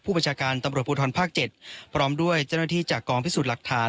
ประชาการตำรวจภูทรภาค๗พร้อมด้วยเจ้าหน้าที่จากกองพิสูจน์หลักฐาน